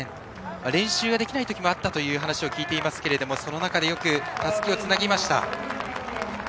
練習ができない時もあったという話を聞いていますけれどもその中でよくたすきをつなぎました。